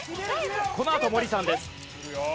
このあと森さんです。